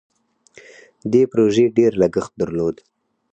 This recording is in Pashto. دې پروژې ډیر لګښت درلود.